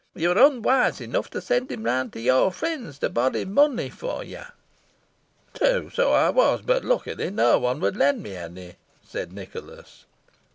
Yo were onwise enough to send him round to your friends to borrow money for yo." "True, so I was. But, luckily, no one would lend me any," said Nicholas.